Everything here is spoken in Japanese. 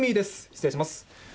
失礼します。